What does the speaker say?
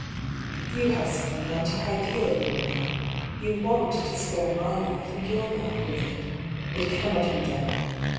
"You have some romantic idea in your mind. You want to square my life and your life with it. It cannot be done.